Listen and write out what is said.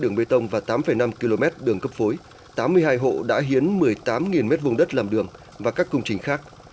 đường bê tông và tám năm km đường cấp phối tám mươi hai hộ đã hiến một mươi tám m hai đất làm đường và các công trình khác